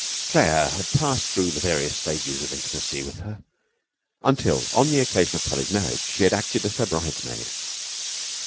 Claire had passed through the various stages of intimacy with her, until on the occasion of Polly's marriage she had acted as her bridesmaid.